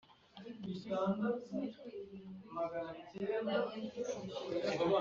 Maze umwami w’ ikusi azarakara azasohoka